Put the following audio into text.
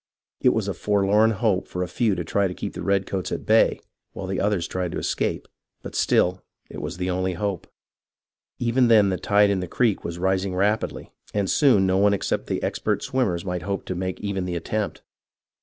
It was a forlorn hope for a few to try to keep the redcoats at bay, while the others tried to escape, but still it was the only hope. Even then the tide in the creek was rising rapidly, and soon no one except the expert swimmers might hope to make even the attempt.